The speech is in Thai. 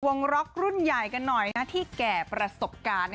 ร็อกรุ่นใหญ่กันหน่อยที่แก่ประสบการณ์